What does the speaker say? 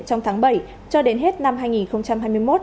trong tháng bảy cho đến hết năm hai nghìn hai mươi một